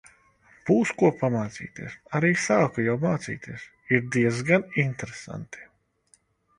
Būs ko pamācīties. Arī sāku jau mācīties. Ir diez gan interesanti.